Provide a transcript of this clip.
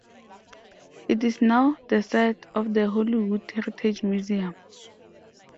It is now the site of the Hollywood Heritage Museum.